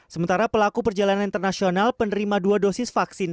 sementara pelaku perjalanan internasional penerima dua dosis vaksin